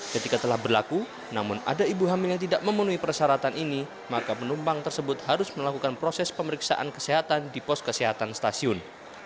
ketika telah berlaku namun ada ibu hamil yang tidak memenuhi persyaratan ini maka penumpang tersebut harus melakukan proses pemeriksaan kesehatan di pos kesehatan stasiun